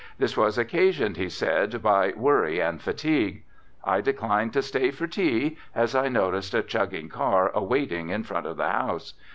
This was occasioned, he said, by "worry and fatigue." I declined to stay for tea, as I noticed a chugging car awaiting in front of the house.